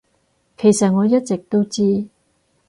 其實我一直都知